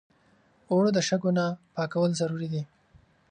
اوړه د شګو نه پاکول ضروري دي